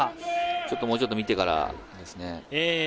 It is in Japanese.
もうちょっと見てからですね。